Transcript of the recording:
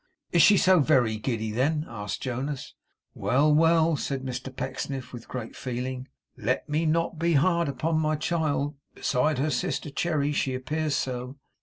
'Is she so very giddy, then?' asked Jonas. 'Well, well!' said Mr Pecksniff, with great feeling; 'let me not be hard upon my child. Beside her sister Cherry she appears so.